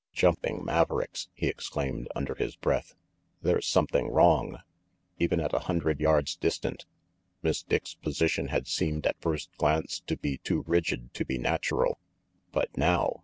"Jumping mavericks!" he exclaimed, under his breath. "There's something wrong." Even at a hundred yards distant, Miss Dick's position had seemed at first glance to be too rigid to be natural; but now?